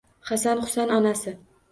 Hasan-Husan onasi